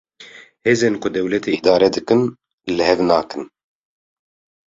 Hêzên ku dewletê îdare dikin, li hev nakin